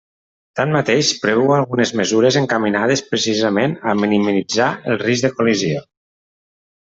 Tanmateix, preveu algunes mesures encaminades precisament a minimitzar el risc de col·lisió.